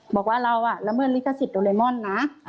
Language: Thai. บอกว่าเราละเมิดลิขสิทธิโดเรมอนนะ